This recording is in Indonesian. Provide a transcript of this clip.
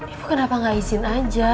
ibu kenapa gak izin aja